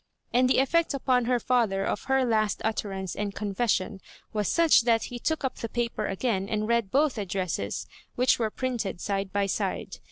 And the effect upon her &ther of her last utterance and confession was such that he took up the paper again and read both addresses, which were printed side by side.